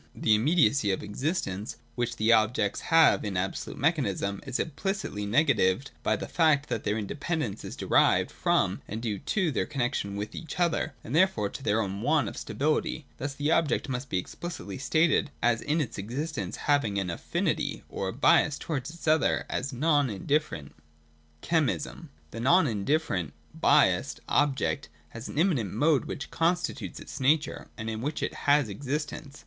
] The immediacy of existence, which the objects have in Absolute Mechanism, is implicitly negatived by the fact that their independence is derived from, and due to, their connexions with each other, and therefore to 199, 200 ] CHEMISM. 341 their own want of stability. Thus the object must be expHcitly stated as in its existence having an Affinity (or a bias) towards its other, — as not indifferent. (6) Chemism. 200.] The not indifferent (biassed) object has an immanent mode which constitutes its nature, and in which it has existence.